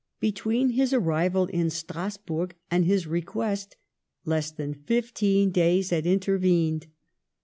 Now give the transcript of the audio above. Between his arrival in Strasburg and this request less than fifteen days had intervened